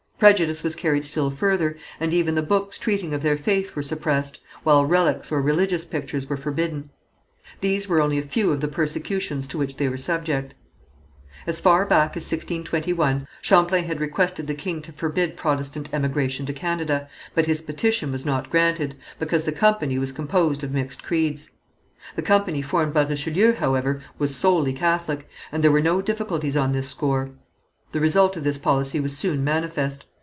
Prejudice was carried still further, and even the books treating of their faith were suppressed, while relics or religious pictures were forbidden. These were only a few of the persecutions to which they were subject. As far back as 1621 Champlain had requested the king to forbid Protestant emigration to Canada, but his petition was not granted, because the company was composed of mixed creeds. The company formed by Richelieu, however, was solely Catholic, and there were no difficulties on this score. The result of this policy was soon manifest.